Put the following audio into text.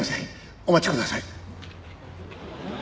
お待ちください」